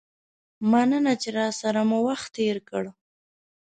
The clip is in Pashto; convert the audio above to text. مننه چې راسره مو وخت تیر کړ.